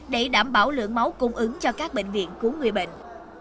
để đảm bảo lượng máu cung ứng cho các bệnh viện cứu người bệnh